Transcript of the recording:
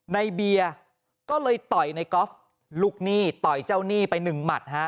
ในเบียร์ก็เลยต่อยในกอล์ฟลูกหนี้ต่อยเจ้าหนี้ไปหนึ่งหมัดฮะ